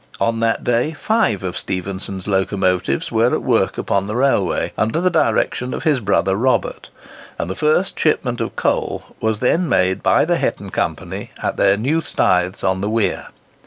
On that day five of Stephenson's locomotives were at work upon the railway, under the direction of his brother Robert; and the first shipment of coal was then made by the Hetton Company, at their new staiths on the Wear.